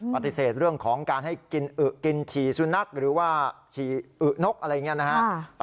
ปฏิเสธเรื่องของการให้กินอึกินฉี่สุนัขหรือว่าฉี่อึกนกอะไรอย่างนี้นะฮะ